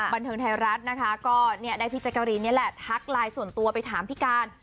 บันเทิงไทยรัฐนะคะก็ได้พี่แจ๊กกะรีนนี่แหละทักไลน์ส่วนตัวไปถามพี่การ